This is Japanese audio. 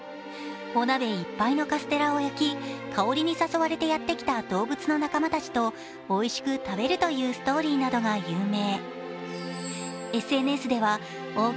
お鍋いっぱいのカステラを焼き、香りに誘われてやってきた動物の仲間たちとおいしく食べるというストーリーなどが有名。